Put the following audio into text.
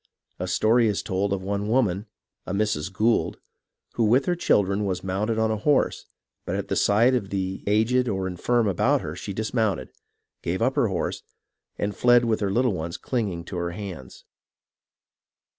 A story is told of one woman, a Mrs. Gould, who, with her children, was mounted on a horse, but at the sight of the aged or infirm about her, she dismounted, gave up her horse, and fled with her little ones clinging to her hands.